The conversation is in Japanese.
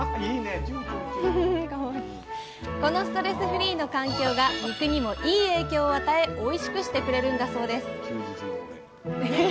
このストレスフリーの環境が肉にもいい影響を与えおいしくしてくれるんだそうです